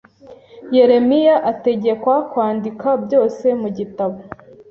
Yeremiya ategekwa kwandika byose mu gitabo